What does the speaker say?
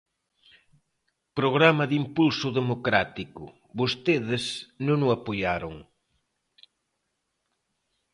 Programa de impulso democrático, vostedes non o apoiaron.